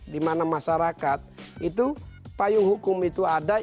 di mana masyarakat itu payung hukum itu ada